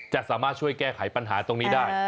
จะสามารถช่วยแก้ไขปัญหาตรงนี้ได้